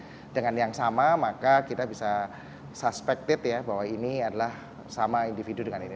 nah dengan yang sama maka kita bisa suspected ya bahwa ini adalah sama individu dengan ini